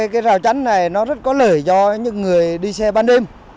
cây rào chắn này nó rất có lợi cho những người đi xe ban đêm